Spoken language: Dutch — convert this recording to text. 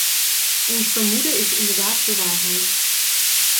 Ons vermoeden is inderdaad bewaarheid.